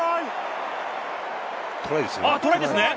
トライですね！